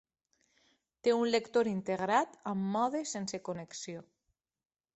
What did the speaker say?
Té un lector integrat amb mode sense connexió.